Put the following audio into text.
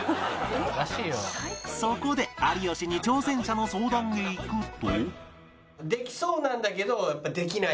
そこで有吉に挑戦者の相談へ行くと